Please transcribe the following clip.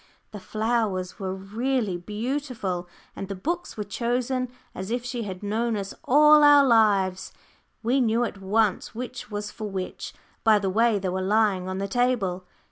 The flowers were really beautiful, and the books were chosen as if she had known us all our lives. We knew at once which was for which, by the way they were lying on the table.